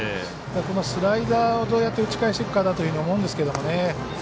スライダーをどうやって打ち返していくかだと思うんですけどもね。